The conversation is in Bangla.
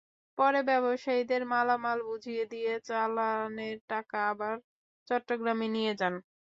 পরে ব্যবসায়ীদের মালামাল বুঝিয়ে দিয়ে চালানের টাকা আবার চট্টগ্রামে নিয়ে যান।